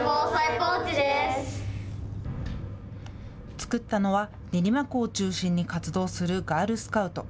作ったのは練馬区を中心に活動するガールスカウト。